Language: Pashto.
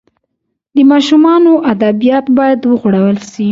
د ماشومانو ادبیات باید وغوړول سي.